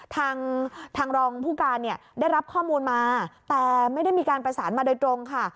ทางทางรองผู้การเนี่ยได้รับข้อมูลมาแต่ไม่ได้มีการประสานมาโดยตรงค่ะ